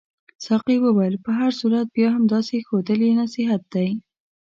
ساقي وویل په هر صورت بیا هم داسې ښودل یې نصیحت دی.